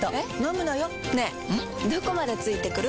どこまで付いてくる？